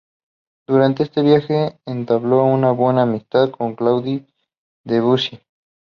Durante este viaje entabló una buena amistad con Claude Debussy.